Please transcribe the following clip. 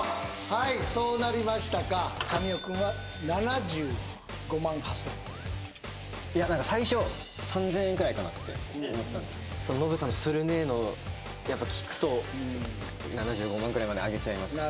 はいそうなりましたか神尾くんは７５万８０００円いや何か最初３０００円くらいかなって思ったんでノブさんの「するねぇ！」のをやっぱ聞くと７５万くらいまで上げちゃいました